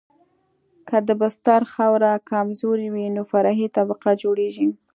که د بستر خاوره کمزورې وي نو فرعي طبقه جوړیږي